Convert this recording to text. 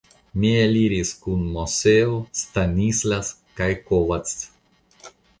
Mi eliris kun Moseo, Stanislas kaj Kovacs.